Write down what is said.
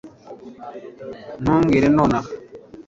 ntumbwire nonaha